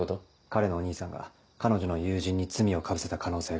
彼のお兄さんが彼女の友人に罪をかぶせた可能性がある。